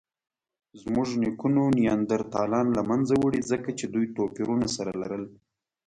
زموږ نیکونو نیاندرتالان له منځه وړي؛ ځکه چې دوی توپیرونه سره لرل.